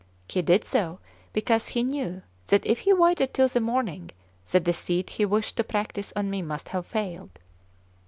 He did so because he knew that if he waited till the morning, the deceit he wished to practise on me must have failed.